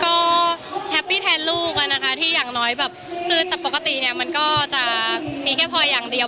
ก็แฮปปี้แทนลูกอะนะคะที่อย่างน้อยแบบคือแต่ปกติเนี่ยมันก็จะมีแค่พลอยอย่างเดียว